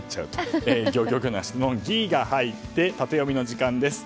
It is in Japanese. ギョギョギョな質問「ギ」が入ってタテヨミの時間です。